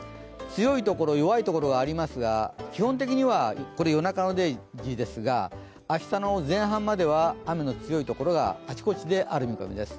強いところ、弱いところがありますが、基本的には、これは夜中の０時ですが明日の前半までは雨の強い所があちこちである見込みです。